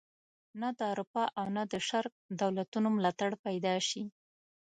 نه د اروپا او نه د شرق دولتونو ملاتړ پیدا شي.